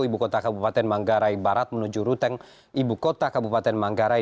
ibu kota kabupaten manggarai barat menuju ruteng ibu kota kabupaten manggarai